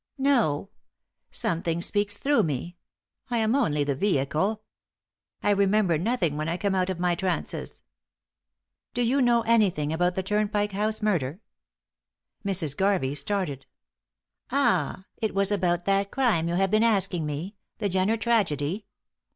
"No. Something speaks through me; I am only the vehicle. I remember nothing when I come out of my trances." "Do you know anything about the Turnpike House murder?" Mrs. Garvey started. "Ah! it was about that crime you have been asking me the Jenner tragedy?